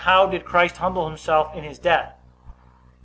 How did Christ humble himself in his death?